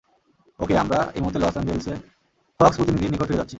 ওকে, আমরা এই মুহূর্তে লস অ্যাঞ্জেলসে ফক্স প্রতিনিধির নিকট ফিরে যাচ্ছি!